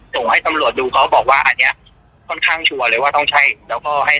ส่งให้ตำรวจดูเขาบอกว่าอันเนี้ยค่อนข้างชัวร์เลยว่าต้องใช่แล้วก็ให้